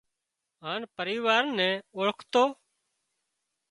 هانَ پريوار نين اوۯکتو